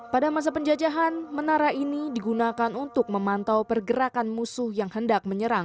pada masa penjajahan menara ini digunakan untuk memantau pergerakan musuh yang hendak menyerang